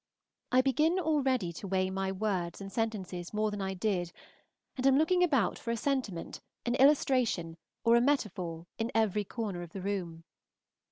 I begin already to weigh my words and sentences more than I did, and am looking about for a sentiment, an illustration, or a metaphor in every corner of the room.